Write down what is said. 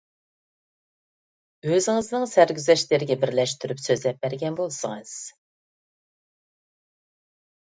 ئۆزىڭىزنىڭ سەرگۈزەشتلىرىگە بىرلەشتۈرۈپ سۆزلەپ بەرگەن بولسىڭىز.